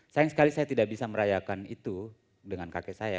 sayang sekali saya tidak bisa merayakan itu dengan kakek saya